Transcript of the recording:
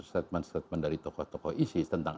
statement statement dari tokoh tokoh isis tentang